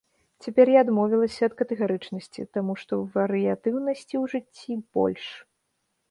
Цяпер я адмовілася ад катэгарычнасці, таму што варыятыўнасці ў жыцці больш.